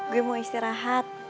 gue mau istirahat